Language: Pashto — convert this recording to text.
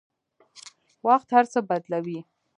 وخت هر څه بدلوي.